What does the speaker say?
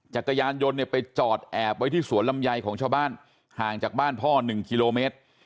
จักรยานยนต์เนี่ยไปจอดแอบไว้ที่สวนลำไยของชาวบ้านห่างจากบ้านพ่อ๑กิโลเมตร